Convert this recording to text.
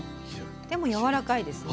でもやわらかいですね。